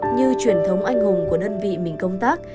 như truyền thống anh hùng của đơn vị mình công tác